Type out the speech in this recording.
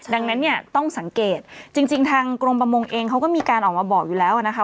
ดังนั้นเนี่ยต้องสังเกตจริงทางกรมประมงเองเขาก็มีการออกมาบอกอยู่แล้วนะคะ